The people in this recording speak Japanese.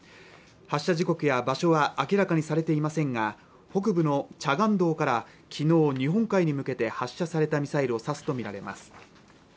発射時刻や場所は明らかにされていませんが北部のチャガン道からきのう日本海に向けて発射されたミサイルを指すと見られます